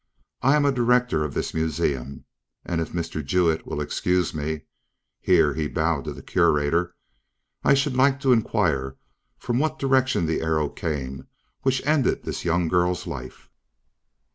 I am a director of this museum, and if Mr. Jewett will excuse me," here he bowed to the Curator, "I should like to inquire from what direction the arrow came which ended this young girl's life?"